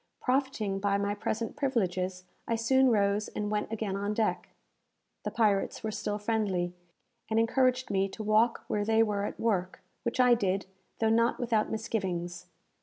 Profiting by my present privileges, I soon rose and went again on deck. The pirates were still friendly, and encouraged me to walk where they were at work; which I did, though not without misgivings.